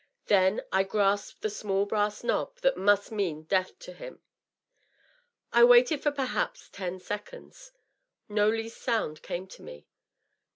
Then I grasped the small brass knob that must mean death to him. I waited for perhaps ten seconds. No least sound came to me.